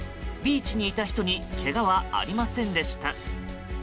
ビーチにいた人にけがはありませんでした。